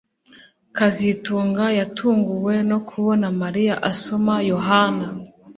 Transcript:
kazitunga yatunguwe no kubona Mariya asoma Yohana